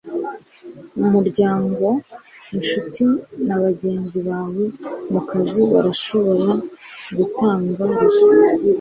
Umuryango, inshuti na bagenzi bawe mukazi barashobora gutanga ruswa